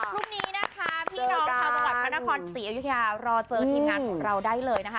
พรุ่งนี้นะคะพี่น้องชาวจังหวัดพระนครศรีอยุธยารอเจอทีมงานของเราได้เลยนะคะ